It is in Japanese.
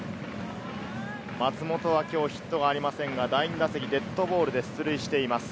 松本は今日ヒットがありませんが、第２打席にデッドボールで出塁しています。